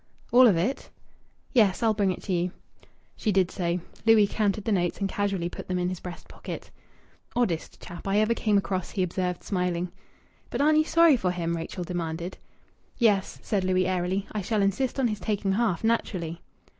"All of it?" "Yes. I'll bring it you." She did so. Louis counted the notes and casually put them in his breast pocket. "Oddest chap I ever came across!" he observed, smiling. "But aren't you sorry for him?" Rachel demanded. "Yes," said Louis airily. "I shall insist on his taking half, naturally."